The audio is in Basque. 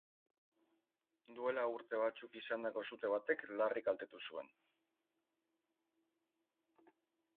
Duela urte batzuk izandako sute batek larri kaltetu zuen.